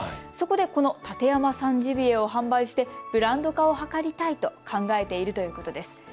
そこで、この館山産ジビエを販売してブランド化を図りたいと考えているということです。